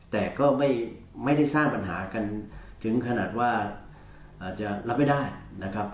แต่ก็ไม่ได้สร้างปัญหากันถึงขนาดว่าอาจจะรับไม่ได้นะครับ